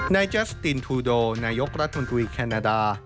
เจสตินทูโดนายกรัฐมนตรีแคนาดา